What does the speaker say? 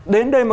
đến đây mà